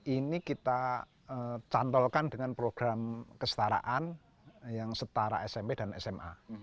ini kita cantolkan dengan program kestaraan yang setara smp dan sma